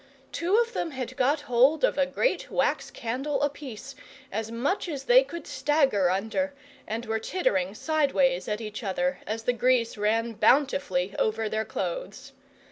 Two of them had got hold of a great wax candle apiece, as much as they could stagger under, and were tittering sideways at each other as the grease ran bountifully over their clothes.